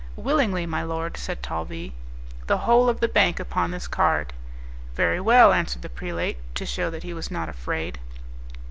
"Willingly, my lord," said Talvis; "the whole of the bank upon this card." "Very well," answered the prelate, to shew that he was not afraid.